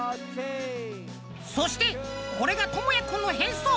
そしてこれがともやくんの変装。